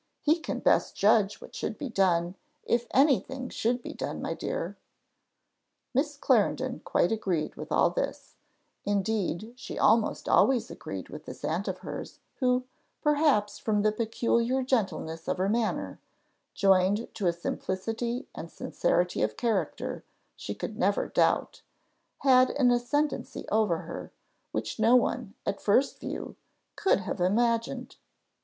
He can best judge what should be done, if any thing should be done, my dear." Miss Clarendon quite agreed with all this; indeed she almost always agreed with this aunt of hers, who, perhaps from the peculiar gentleness of her manner, joined to a simplicity and sincerity of character she could never doubt, had an ascendency over her, which no one, at first view, could have imagined.